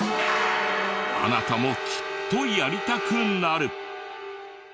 あなたもきっとやりたくなる！